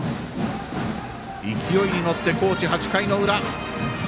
勢いに乗って、高知、８回の裏。